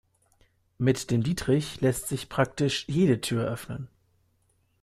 Mit dem Dietrich lässt sich praktisch jede Tür öffnen.